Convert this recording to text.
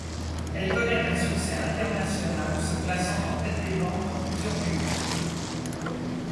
Elle connaît un succès international, se classant en tête des ventes dans plusieurs pays.